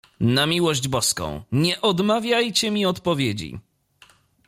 "Na miłość Boską, nie odmawiajcie mi odpowiedzi!"